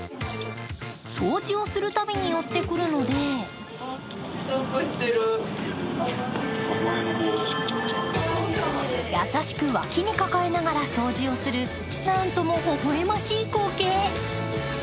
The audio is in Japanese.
掃除をするたびに寄ってくるので優しく脇に抱えながら掃除をするなんともほほ笑ましい光景。